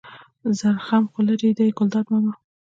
زرخم خو لېرې دی ګلداد ماما.